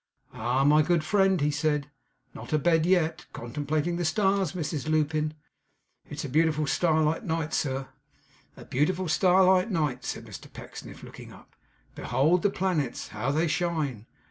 'Ah, my good friend!' he said; 'not a bed yet! Contemplating the stars, Mrs Lupin?' 'It's a beautiful starlight night, sir.' 'A beautiful starlight night,' said Mr Pecksniff, looking up. 'Behold the planets, how they shine!